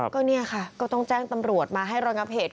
ก็เนี่ยค่ะก็ต้องแจ้งตำรวจมาให้ระงับเหตุ